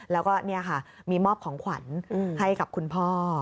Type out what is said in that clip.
แล้วก็นี่ค่ะมีมอบของขวัญให้กับคุณพ่อ